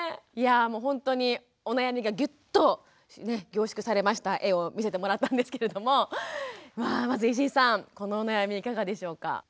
いやぁもうほんとにお悩みがギュッとね凝縮されました画を見せてもらったんですけれどもまあまず石井さんこのお悩みいかがでしょうか？